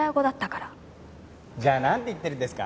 じゃあなんて言ってるんですか？